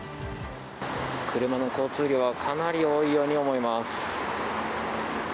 車の交通量はかなり多いように思います。